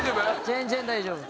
全然大丈夫。